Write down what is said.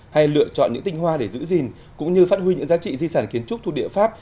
hay lựa chọn những tinh hoa để giữ gìn cũng như phát huy những giá trị di sản kiến trúc thuộc địa pháp